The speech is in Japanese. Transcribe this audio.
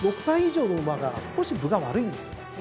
６歳以上の馬が少し分が悪いんですよね。